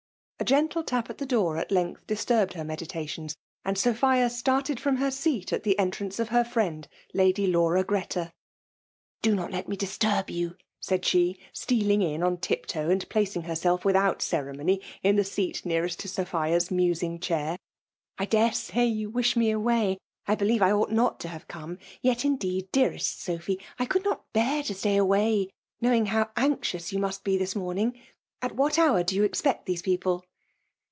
A gentle tap at the door at length disturbed her meditations^ and Sophia started from her seat at the entrance of her friend Lady Laura Greta. " Do not let me disturb you/' said she, stealing in on tiptoe, and placing herself with out ceremony in the seat nearest to Sophia's musing chair :'' I dare say you wish me away, I believe I ought not to haye come ; yet, in deed, dearest Sophy, I could not bear to stay away, knowing how anxious you must be this iftOMning. At what hour do you expect these people